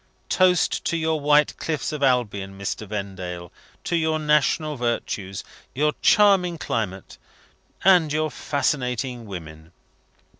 A toast to your white cliffs of Albion, Mr. Vendale! to your national virtues, your charming climate, and your fascinating women!